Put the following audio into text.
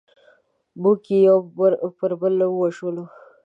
موږ یې یو پر بل ووژلو.